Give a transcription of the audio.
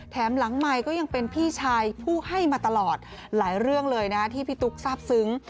หลังใหม่ก็ยังเป็นพี่ชายผู้ให้มาตลอดหลายเรื่องเลยนะที่พี่ตุ๊กทราบซึ้ง